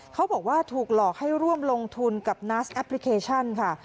เขาบอกว่าถูกหลอกให้ร่วมลงทุนกับนัสแอปพลิเคชันค่ะ